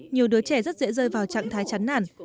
nhiều đứa trẻ rất dễ rơi vào trạng thái chắn nản